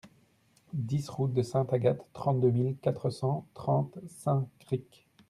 dix route de Sainte-Agathe, trente-deux mille quatre cent trente Saint-Cricq